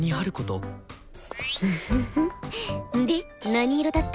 何色だった？